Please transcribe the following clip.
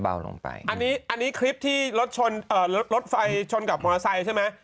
อันนี้คลิปที่รถไฟชนกับมอเตอร์ไซค์ใช่ไหม